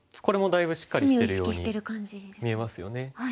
これもだいぶしっかりしてるように見えますよね。